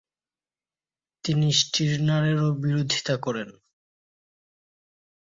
তিনি স্টির্নারেরও বিরোধিতা করেন।